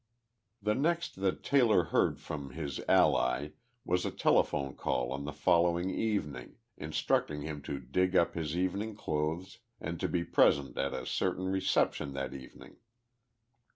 The next that Taylor heard from his ally was a telephone call on the following evening, instructing him to dig up his evening clothes and to be present at a certain reception that evening.